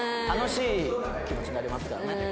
楽しい気持ちになりますからね。